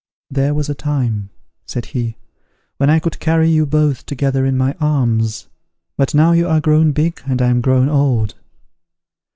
"There was a time," said he, "when I could carry you both together in my arms! But now you are grown big, and I am grown old."